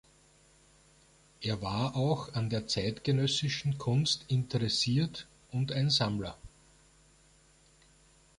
Er war auch an der zeitgenössischen Kunst interessiert und ein Sammler.